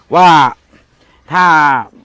ว่าถ้า